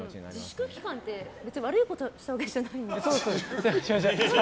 自粛期間って別に悪いことしたわけじゃ違います。